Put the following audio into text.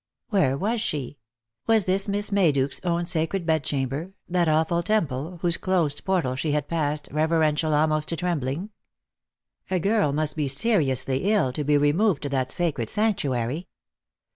Where was she ? Was this Miss Mayduke's own sacred bed chamber, that awful temple, whose closed portal she had passed, reverential almost to trembling ? A girl must be seriously ill to be removed to that sacred sanctuary.